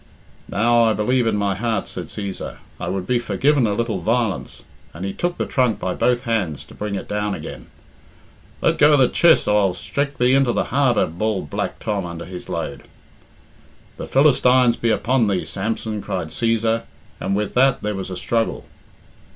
"Now, I believe in my heart," said Cæsar, "I would be forgiven a little violence," and he took the trunk by both hands to bring it down again. "Let go the chiss, or I'll strek thee into the harbour," bawled Black Tom under his load. "The Philistines be upon thee, Samson," cried Cæsar, and with that there was a struggle.